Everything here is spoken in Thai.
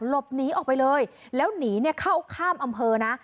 หลบหนีออกไปเลยแล้วหนีเนี่ยเข้าข้ามอำเภอนะ